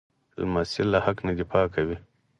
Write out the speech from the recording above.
لمسی له حق نه دفاع کوي.